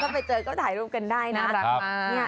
ถ้าไปเจอก็ถ่ายรูปกันได้นะ